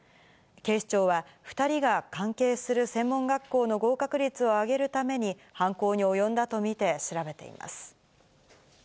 警視庁は、２人が関係する専門学校の合格率を上げるために、犯行に及んだと見て調べています。